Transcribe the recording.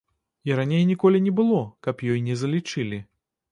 І раней ніколі не было, каб ёй не залічылі.